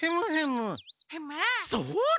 そうだ！